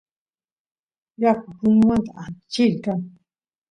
yaku puñumanta ancha churi kan